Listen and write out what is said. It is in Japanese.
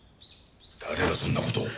誰がそんな事を！？